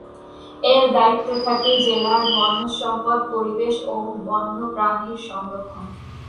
এঁর দায়িত্বে থাকে জেলার বনজ সম্পদ, পরিবেশ ও বন্যপ্রাণী সংরক্ষণ।